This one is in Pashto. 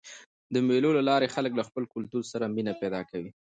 د مېلو له لاري خلک له خپل کلتور سره مینه پیدا کوي.